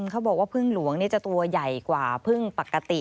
เขาบอกว่าพึ่งหลวงจะตัวใหญ่กว่าพึ่งปกติ